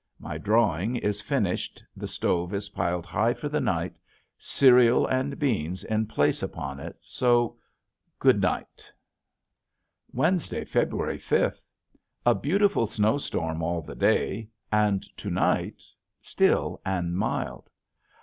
My drawing is finished, the stove is piled for the night, cereal and beans in place upon it, so Good night. [Illustration: ECSTASY] Wednesday, February fifth. A beautiful snowstorm all the day and to night, still and mild.